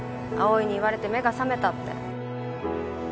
葵に言われて目が覚めたって。